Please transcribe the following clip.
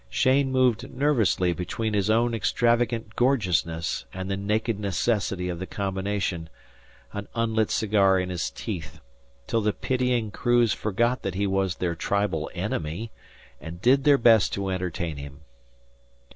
Cheyne moved nervously between his own extravagant gorgeousness and the naked necessity of the combination, an unlit cigar in his teeth, till the pitying crews forgot that he was their tribal enemy, and did their best to entertain him.